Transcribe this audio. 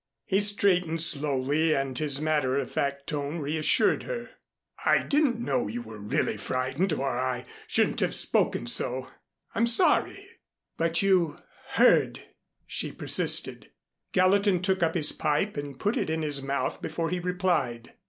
He straightened slowly, and his matter of fact tone reassured her. "I didn't know you were really frightened or I shouldn't have spoken so. I'm sorry." "But you heard," she persisted. Gallatin took up his pipe and put it in his mouth before he replied.